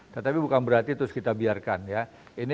tetapi bukan berarti terus kita biarkan ya